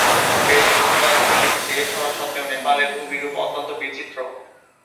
বেশ ছোট আয়তনের একটি দেশ হওয়া সত্ত্বেও নেপালের ভূমিরূপ অত্যন্ত বিচিত্র।